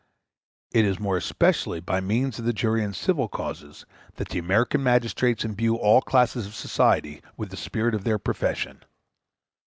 It is more especially by means of the jury in civil causes that the American magistrates imbue all classes of society with the spirit of their profession.